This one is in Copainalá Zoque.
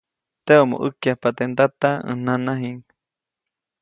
Teʼomo ʼäkyajpa teʼ ndata ʼäj nanajiʼŋ.